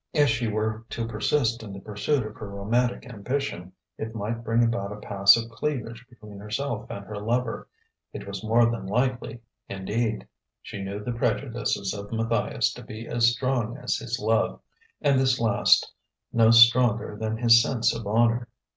If she were to persist in the pursuit of her romantic ambition, it might bring about a pass of cleavage between herself and her lover; it was more than likely, indeed; she knew the prejudices of Matthias to be as strong as his love, and this last no stronger than his sense of honour.